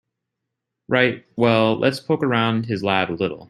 Right, well let's poke around his lab a little.